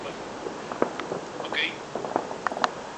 Esto puede provocar efectos secundarios más graves o reducir la eficacia.